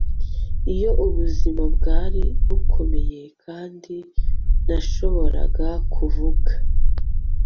Iyo ubuzima bwari bukomeye kandi nashoboraga kuvuga